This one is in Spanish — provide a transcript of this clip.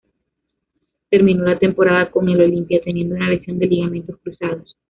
Terminó la temporada con el Olimpia, teniendo una lesión de ligamentos cruzados.